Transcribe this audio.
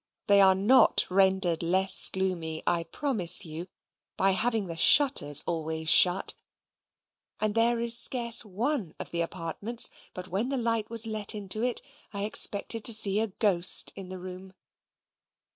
They are not rendered less gloomy, I promise you, by having the shutters always shut; and there is scarce one of the apartments, but when the light was let into it, I expected to see a ghost in the room.